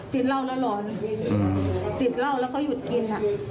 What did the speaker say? เหล้าแล้วหลอนกินเหล้าแล้วเขาหยุดกิน